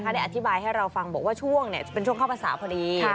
ได้อธิบายให้เราฟังบอกว่าช่วงจะเป็นช่วงเข้าภาษาพอดี